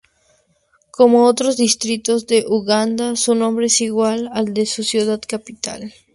Como otros distritos de Uganda, su nombre es igual al de su ciudad capital.